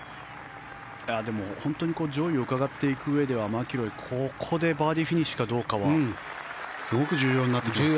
でも、本当に上位をうかがっていくうえではマキロイここでバーディーフィニッシュかどうかはすごく重要になってきますね。